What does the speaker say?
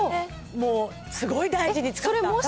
もうすごい大事に使った。